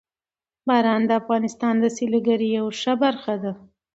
باران د افغانستان د سیلګرۍ یوه ښه برخه ده.